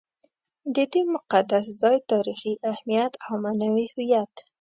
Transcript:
د دې مقدس ځای تاریخي اهمیت او معنوي هویت.